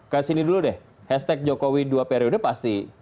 ke sini dulu deh hashtag jokowi dua periode pasti